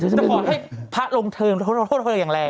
แต่ขอให้พระรมเธอขอโทษให้เขาอย่างแรง